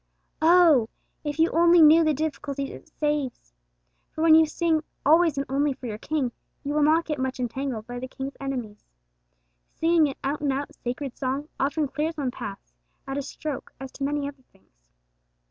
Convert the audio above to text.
Oh, if you only knew the difficulties it saves! For when you sing 'always and only for your King,' you will not get much entangled by the King's enemies, Singing an out and out sacred song often clears one's path at a stroke as to many other things.